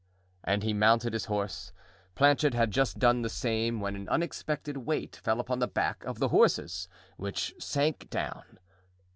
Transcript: And he mounted his horse. Planchet had just done the same when an unexpected weight fell upon the back of the horse, which sank down.